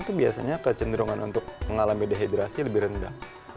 itu biasanya kecenderungan untuk mengalami dehidrasi lebih rendah